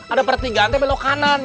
ada pertigaan teh belok kanan